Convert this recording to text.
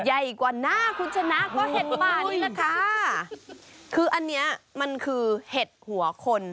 ใหญ่กว่าหน้าคุณชนะก็เห็นแบบนี้แหละค่ะคืออันเนี้ยมันคือเห็ดหัวคน